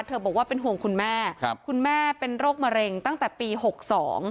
บอกว่าเป็นห่วงคุณแม่ครับคุณแม่เป็นโรคมะเร็งตั้งแต่ปีหกสอง